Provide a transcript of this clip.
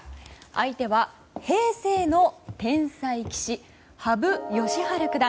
相手は平成の天才棋士羽生善治九段。